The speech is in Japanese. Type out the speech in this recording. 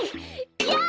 やあ！